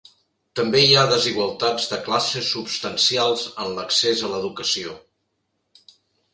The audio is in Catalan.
També hi ha desigualtats de classe substancials en l'accés a l'educació.